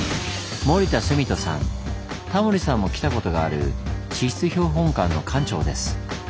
タモリさんも来たことがある地質標本館の館長です。